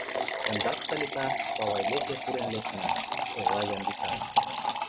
— Ондак Салика павай деке пурен лектына, — ойла Ямбика.